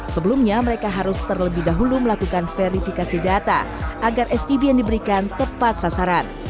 sebelumnya mereka harus terlebih dahulu melakukan verifikasi data agar stb yang diberikan tepat sasaran